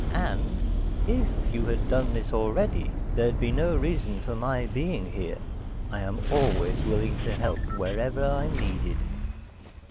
And if you had done this already, there'd be no reason for my being here. I am always willing to help wherever I'm needed."